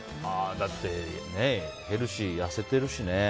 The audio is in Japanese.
だってヘルシー、痩せてるしね。